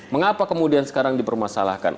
mengapa kemudian sekarang dipermasalahkan